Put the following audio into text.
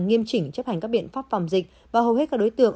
nghiêm chỉnh chấp hành các biện pháp phòng dịch và hầu hết các đối tượng